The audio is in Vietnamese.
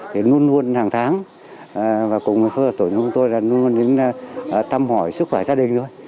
thì luôn luôn hàng tháng và cùng với phương hợp tổ chức của tôi là luôn luôn đến thăm hỏi sức khỏe gia đình thôi